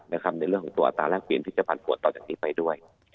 ในเรื่องของตัวอัตราแรกเปลี่ยนที่จะผันปวดต่อจากนี้ไปด้วย